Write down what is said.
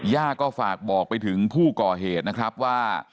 ย่าก็ฝากบอกไปถึงผู้ก่อเหตุนะครับว่า